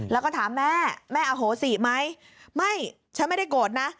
แล้วก็ถามแม่แม่อโหสิไหมไม่ฉันไม่ได้โกรธนะ